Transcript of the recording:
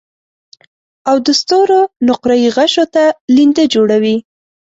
او د ستورو نقره يي غشو ته لینده جوړوي